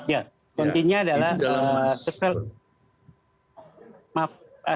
ya kuncinya adalah